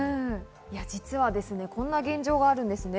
実はこんな現状があるんです。